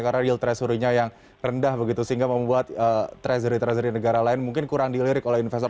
karena yield treasury nya yang rendah begitu sehingga membuat treasury treasury negara lain mungkin kurang dilirik oleh investor